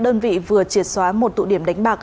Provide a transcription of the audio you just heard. đơn vị vừa triệt xóa một tụ điểm đánh bạc